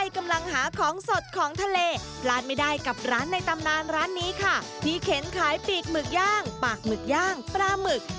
คำนานร้านนี้ค่ะที่เข็นขายปีกหมึกย่างปากหมึกย่างปลาหมึก